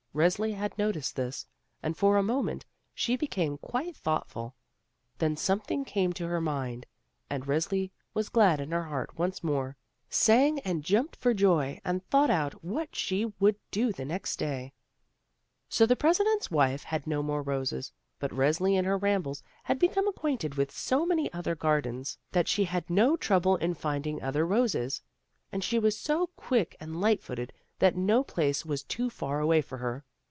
Resli had noticed this, and for a moment she became quite thoughtfxil. Then something came to her mind, and Resli was glad in her heart once more, sang and jumped for joy and thought out what she would do the next day. Soon the President's wife had no more roses, but Resli in her rambles had become acquainted with so many other gardens, that she had no trouble in finding other roses, and she was so quick and light footed that no place was too far away for her.